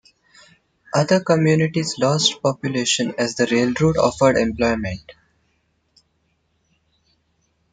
Other communities lost population as the railroad offered employment.